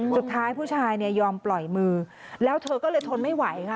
สุดท้ายผู้ชายยอมปล่อยมือแล้วเธอก็เลยทนไม่ไหวค่ะ